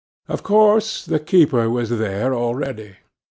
Of course the keeper was there already.